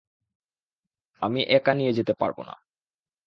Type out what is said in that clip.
আমি একা নিয়ে যেতে পারবো না।